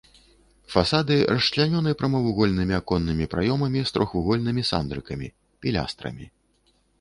Фасады расчлянёны прамавугольнымі аконнымі праёмамі з трохвугольнымі сандрыкамі, пілястрамі.